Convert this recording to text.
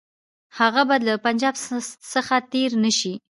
هغه به له پنجاب څخه تېر نه شي.